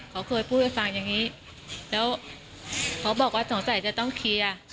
เขาเคยพูดให้ฟังอย่างนี้แล้วเขาบอกว่าสงสัยจะต้องเคลียร์